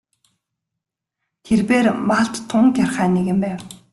Тэрбээр малд тун гярхай нэгэн байв.